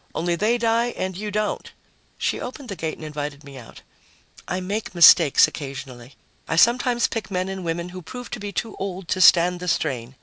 Only they die and you don't." She opened the gate and invited me out. "I make mistakes occasionally. I sometimes pick men and women who prove to be too old to stand the strain.